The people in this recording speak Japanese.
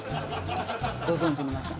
ご存じ皆さん。